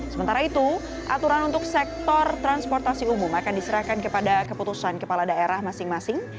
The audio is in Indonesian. sementara itu aturan untuk sektor transportasi umum akan diserahkan kepada keputusan kepala daerah masing masing